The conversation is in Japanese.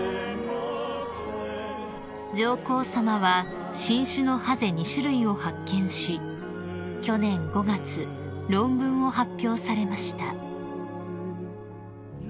［上皇さまは新種のハゼ２種類を発見し去年５月論文を発表されました］